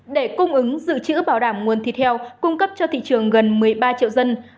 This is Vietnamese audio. để cung ứng dự trữ bảo đảm nguồn thịt heo cung cấp cho thị trường gần một mươi ba triệu dân